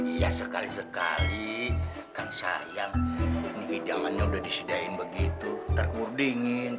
iya sekali sekali kan sayang ini hidangannya udah disediain begitu ntar keburu dingin